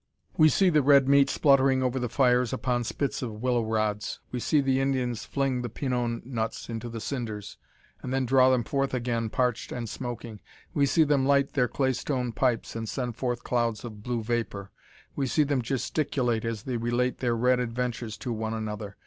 We see the red meat spluttering over the fires upon spits of willow rods. We see the Indians fling the pinon nuts into the cinders, and then draw them forth again, parched and smoking. We see them light their claystone pipes, and send forth clouds of blue vapour. We see them gesticulate as they relate their red adventures to one another.